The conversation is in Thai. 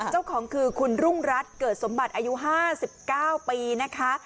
เจ้าของคือคุณรุ่งรัฐเกิดสมบัติอายุ๕๙ปีนะคะ